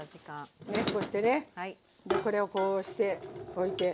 ねこうしてねこれをこうしておいて。